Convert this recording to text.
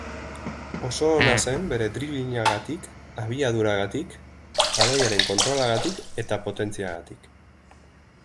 Oso ona zen bere driblinagatik, abiaduragatik, baloiaren kontrolagatik eta potentziagatik.